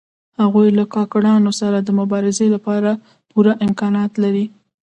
هغوی له کارګرانو سره د مبارزې لپاره پوره امکانات لري